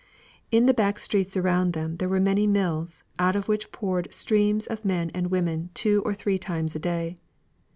In the back streets around them there were many mills, out of which poured streams of men and women two or three times a day.